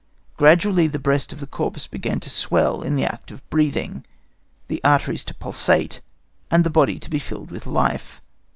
Gradually the breast of the corpse began to swell in the act of breathing, the arteries to pulsate, and the body to be filled with life.